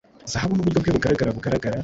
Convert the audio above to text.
zahabu nuburyo bwe bugaragara bugaragara